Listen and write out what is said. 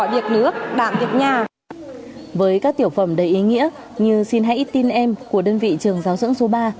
với các tiểu phẩm đầy ý nghĩa như xin hãy tin em của đơn vị trường giáo dưỡng số ba